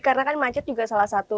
karena kan macet juga salah satu